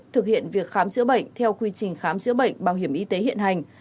thực hiện việc khám chữa bệnh theo quy trình khám chữa bệnh bảo hiểm y tế hiện hành